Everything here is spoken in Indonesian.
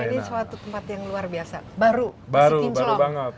ini suatu tempat yang luar biasa baru masih pincelong